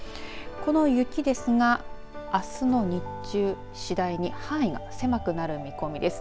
この雪ですがあすの日中次第に範囲が狭くなる見込みです。